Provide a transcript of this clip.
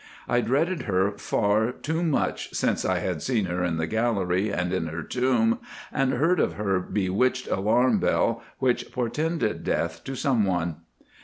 I dreaded her far too much since I had seen her in the gallery and in her tomb, and heard of her bewitched alarm bell, which portended death to some one.